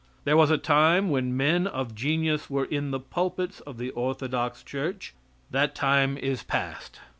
There was a time when men of genius were in the pulpits of the orthodox church; that time is past.